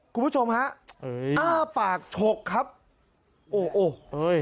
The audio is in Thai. คุณผู้ชมฮะเอ้ยอ้าปากฉกครับโอ้โหโอ้เอ้ย